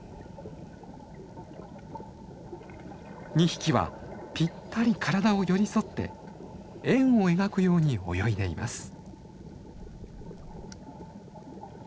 ２匹はぴったり体を寄り添って円を描くように泳いでいます。